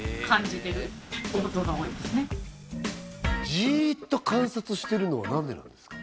ジーっと観察してるのは何でなんですか？